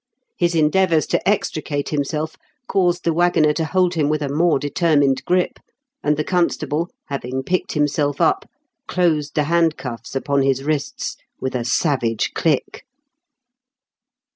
His endea vours to extricate himself caused the waggoner to hold him with a more determined grip, and the constable, having picked himself up, closed the handcuffs upon his wrists with a savage click.